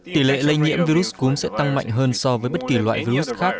tỷ lệ lây nhiễm virus cúm sẽ tăng mạnh hơn so với bất kỳ loại virus khác